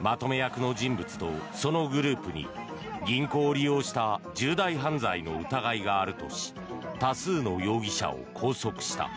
まとめ役の人物とそのグループに銀行を利用した重大犯罪の疑いがあるとし多数の容疑者を拘束した。